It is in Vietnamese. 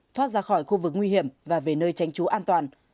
thoát ra khỏi khu vực nguy hiểm và về nơi tránh trú an toàn